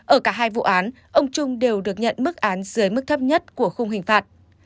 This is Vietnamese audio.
ở cả hai vụ án ông trung đều được nhận mức án dưới mức thấp nhất của khung hình phạt